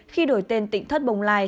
khi đổi tên tỉnh thất bồng lai